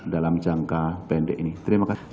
dalam jangka pendek ini terima kasih